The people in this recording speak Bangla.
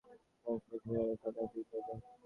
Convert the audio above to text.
সুতরাং কালেজ ছাড়িয়া কাজের সন্ধানে ফিরিতে হইল।